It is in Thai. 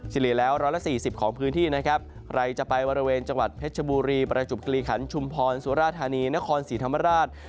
ที่เหลือแล้ว๑๔๐ของพื้นที่ไรจะไปบริเวณจังหวัดเพชรบุรีประจุบกรีขันชุมพรสุรธานีนครสีธรรมราช